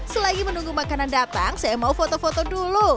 selagi menunggu makanan datang saya mau foto foto dulu